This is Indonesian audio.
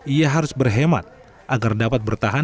ia harus berhemat agar dapat bertahan